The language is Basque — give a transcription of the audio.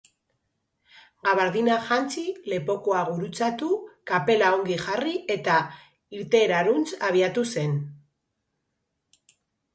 Gabardina jantzi, lepokoa gurutzatu, kapela ongi jarri eta irteerarantz abiatu zen.